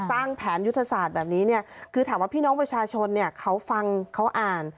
สร้างแผนยุทธศาสตร์แบบนี้เนี่ยคือถามว่าพี่น้องประชาชนเนี่ยเขาฟังเขาอ่าน